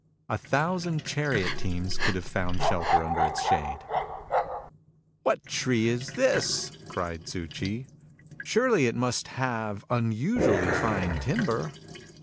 A thousand chariot teams could have found shelter under its shade. " What tree is this ?" cried Tzu Ch'i. " Surely it must have unusually fine timber."